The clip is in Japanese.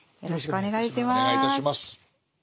よろしくお願いします。